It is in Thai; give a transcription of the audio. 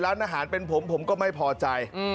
ร้านอาหารเป็นผมผมก็ไม่พอใจ